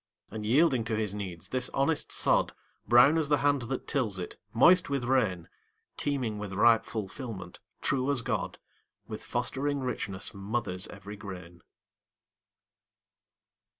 And yielding to his needs, this honest sod, Brown as the hand that tills it, moist with rain, Teeming with ripe fulfilment, true as God, With fostering richness, mothers every grain.